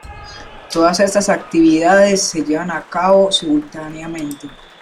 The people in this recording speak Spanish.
Todas estas actividades se llevan a cabo simultáneamente.